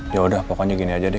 yaudah pokoknya gini aja deh